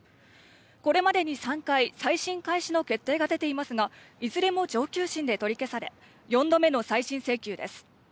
これまでに３回、再審開始の決定が出ていますが、いずれも上級審で取り消され、４度目の再審請求です。